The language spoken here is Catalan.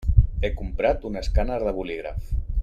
He comprat un escàner de bolígraf.